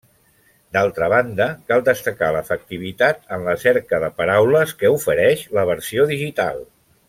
D’altra banda, cal destacar l’efectivitat en la cerca de paraules que ofereix la versió digital.